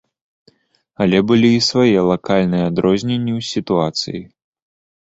Але былі і свае лакальныя адрозненні ў сітуацыі.